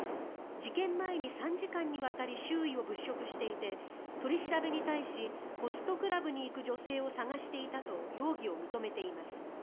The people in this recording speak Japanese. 事件前に３時間にわたり周囲を物色していて取り調べに対しホストクラブに行く女性を探していたと容疑を認めています。